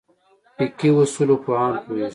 فقهې اصولو پوهان پوهېږي.